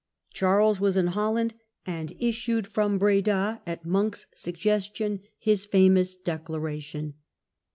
Charles was in Holland, and issued from Breda, at Monk's suggestion, his famous "Declaration".